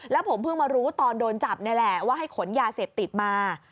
แล้วผมเพิ่งมารู้ตอนโดนจับนี่แหละว่าให้ขนยาเสพติดมา